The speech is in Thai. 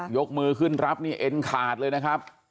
ยกมือขึ้นรับนี่เอ็นขาดเลยนะครับ